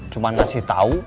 cuma ngasih tau